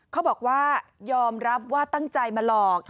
เขาบอกว่ายอมรับว่าตั้งใจมาหลอก